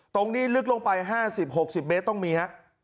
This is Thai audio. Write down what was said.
ตรงนี้ลึกลงไปห้าสิบหกสิบเมตรต้องมีฮะ